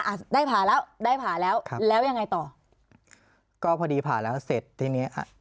อ่ะได้ผ่าแล้วได้ผ่าแล้วครับแล้วยังไงต่อก็พอดีผ่าแล้วเสร็จทีเนี้ยค่ะ